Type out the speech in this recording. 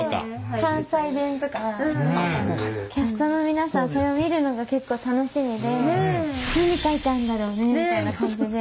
関西弁とかキャストの皆さんそれを見るのが結構楽しみで何書いてあんだろうねみたいな感じで。